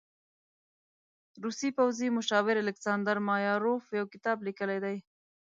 روسي پوځي مشاور الکساندر مایاروف يو کتاب لیکلی دی.